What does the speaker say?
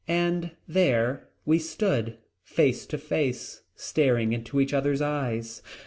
And there we stood face to face staring into each other's eyes.